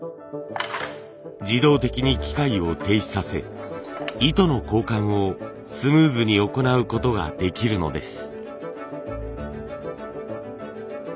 自動的に機械を停止させ糸の交換をスムーズに行うことができるのです。